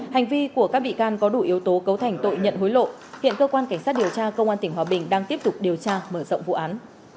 hành vi của các bị can có đủ yếu tố cấu thành tội nhận hối lộ hiện cơ quan cảnh sát điều tra công an tỉnh hòa bình đang tiếp tục điều tra mở rộng vụ án